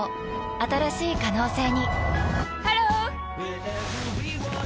新しい可能性にハロー！